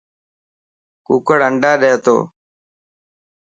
ڪوڪڙ انڊا ڏي تو.